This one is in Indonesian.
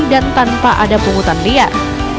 dan tanpa ada pungutan liar